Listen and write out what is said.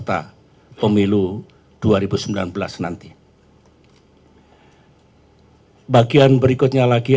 dari kota ini